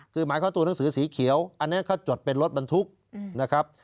คือหมายความตัวหนังสือสีเขียวอันนี้เขาจดเป็นรถบรรทุกนะครับ